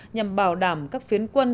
nhằm bảo đảm các phiến quân